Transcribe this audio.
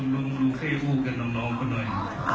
ลุงข้าวให้พูดกันน้องข้าวหน่อย